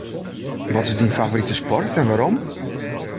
Wat is dyn favorite sport en wêrom?